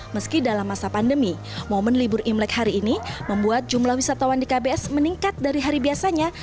meski dalam masa pandemi momen libur imlek hari ini membuat jumlah wisatawan di kbs meningkat dari hari biasanya